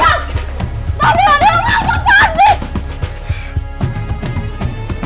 tau dia gak ada yang langsung panggil